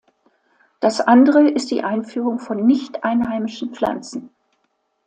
Das andere ist die Einführung von nicht einheimischen Pflanzen.